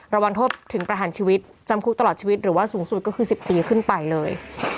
ระวังโทษถึงประหารชีวิตจำคุกตลอดชีวิตหรือว่าสูงสุดก็คือ๑๐ปีขึ้นไปเลย